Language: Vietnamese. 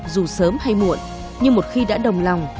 dù sớm hay muộn nhưng một khi đã đồng lòng